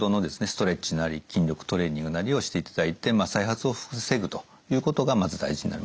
ストレッチなり筋力トレーニングなりをしていただいて再発を防ぐということがまず大事になります。